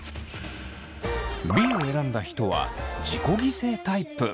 Ｂを選んだ人は自己犠牲タイプ。